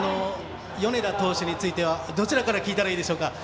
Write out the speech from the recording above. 米田投手についてはどちらから聞いたらいいでしょうか。